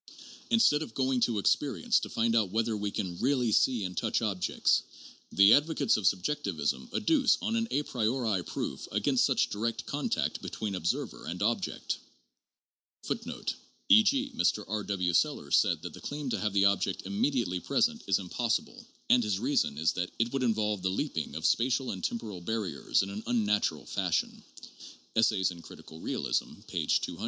Instead of going to expe rience to find out whether we can really see and touch objects, the advocates of subjectivism adduce an a priori proof against such direct contact between observer and object. Mind and matter are so regarded that contact between them is deemed impossible. s E.g., Mr. B. W. Sellars said that the claim to have the object immediately present is " impossible," and his reason is that " it would involve the leaping of spatial and temporal barriers in an unnatural fashion " (Essays in Critical Realism, p. 200).